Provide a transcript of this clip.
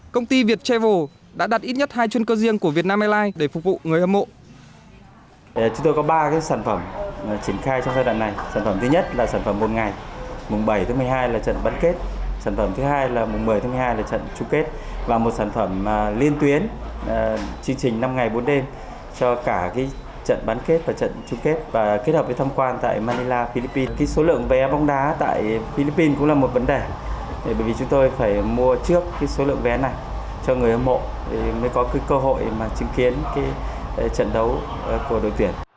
công ty việt travel đã đặt ít nhất hai chuyên cơ riêng của vietnam airlines để phục vụ người hâm mộ